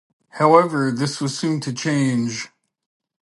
However, this was soon to change.